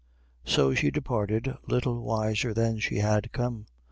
So she departed little wiser than she had come.